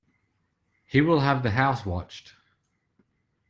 He will have the house watched.